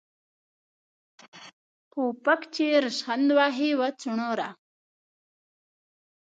په پک چې پوسخند وهې ، وا څوڼوره.